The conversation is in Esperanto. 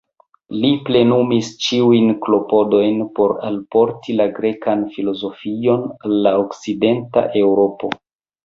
Li plenumis ĉiujn klopodojn por alporti la grekan filozofion al la Okcidenta Eŭropo.